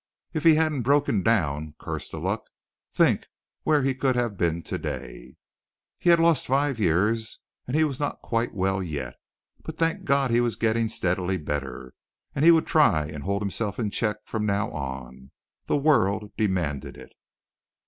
If he hadn't broken down, curse the luck, think where he could have been today. He had lost five years and he was not quite well yet, but thank God he was getting steadily better, and he would try and hold himself in check from now on. The world demanded it.